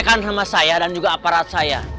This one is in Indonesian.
selesaikan sama saya dan juga aparat saya